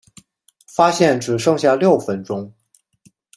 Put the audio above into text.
发现只剩下六分钟